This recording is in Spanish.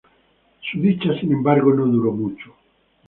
Su dicha, sin embargo, no duró mucho.